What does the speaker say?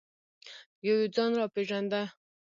یو یو ځان را پېژانده.